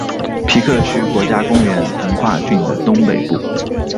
皮克区国家公园横跨郡的东北部。